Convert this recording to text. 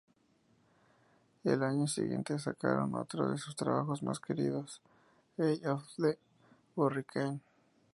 El año siguiente, sacaron otro de sus trabajos más queridos: "Eye of the Hurricane".